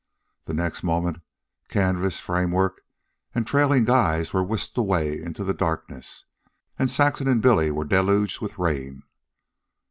The next moment canvas, framework, and trailing guys were whisked away into the darkness, and Saxon and Billy were deluged with rain.